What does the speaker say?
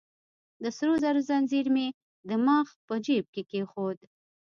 د سرو زرو ځنځیر مې يې د مخ په جیب کې کېښود.